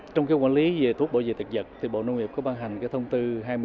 trong kêu quản lý về thuốc bổ dịch thực dật bộ nông nghiệp có ban hành thông tư hai mươi một